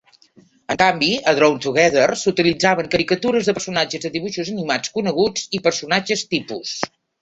En canvi, a "Drawn Together", s'utilitzaven caricatures de personatges de dibuixos animats coneguts i personatges tipus.